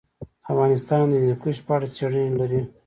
افغانستان د هندوکش په اړه څېړنې لري.